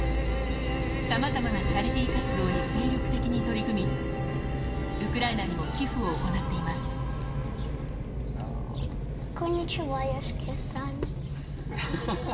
さまざまなチャリティー活動に精力的に取り組み、ウクライナにもこんにちは、ＹＯＳＨＩＫＩさん。